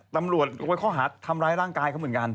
ตำรวจไว้ข้อหาทำร้ายร่างกายเขาเหมือนกัน